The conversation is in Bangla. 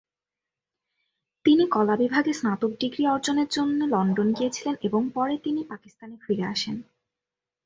তিনি কলা বিভাগে স্নাতক ডিগ্রি অর্জনের জন্য লন্ডনে গিয়েছিলেন এবং পরে তিনি পাকিস্তানে ফিরে আসেন।